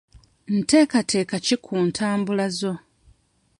Nteekateeka ki ku ntambula zo?